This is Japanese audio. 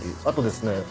あとですね